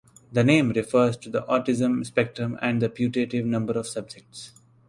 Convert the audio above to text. The name refers to the autism spectrum and the putative number of subjects.